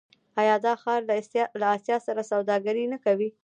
آیا دا ښار له اسیا سره سوداګري نه کوي؟